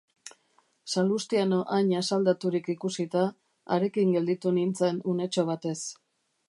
Salustiano hain asaldaturik ikusita, harekin gelditu nintzen unetxo batez.